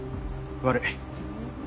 悪い。